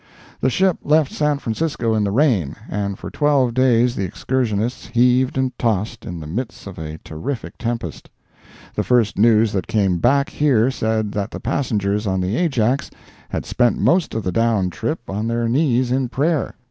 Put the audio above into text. The ship left San Francisco in the rain, and for twelve days the excursionists heaved and tossed in the midst of a terrific tempest. The first news that came back here said that the passengers on the Ajax had spent most of the down trip on their knees in prayer.